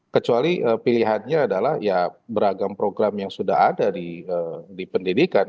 kecuali pilihannya adalah ya beragam program yang sudah ada di pendidikan